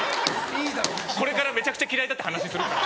これからめちゃくちゃ嫌いだって話するのに。